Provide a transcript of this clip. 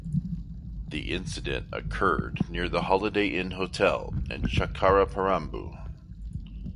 The incident occurred near the Holiday Inn hotel in Chakkaraparambu.